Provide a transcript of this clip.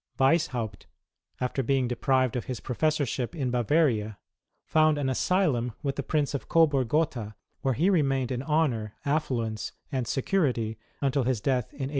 Weishaupt, after being deprived of his professorship in Bavaria, found an asylum with the Prince of Coburg Gotha, where lie remained hi honour, affluence, and security, until his death in 1830.